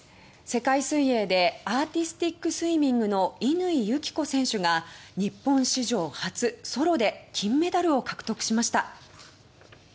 世界水泳でアーティスティックスイミングの乾友紀子選手が日本史上初ソロで金メダルを獲得しました。